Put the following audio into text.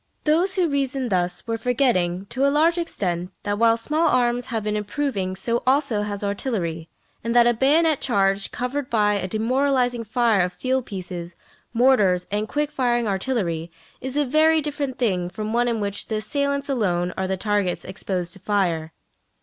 Those who reasoned thus were forgetting, to a large extent, that while small arms have been improving so also has artillery, and that a bayonet charge covered by a demoralising fire of field pieces, mortars, and quick firing artillery is a very different thing from one in which the assailants alone are the targets exposed to fire.